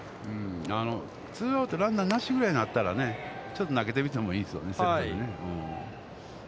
ツーアウト、ランナーなしぐらいになったら、ちょっと投げてみてもいいですよね、セットでね。